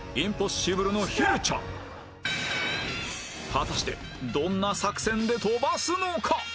果たしてどんな作戦で飛ばすのか？